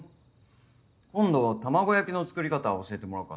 今度卵焼きの作り方教えてもらおうかな。